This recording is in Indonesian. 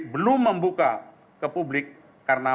belum membuka ke publik karena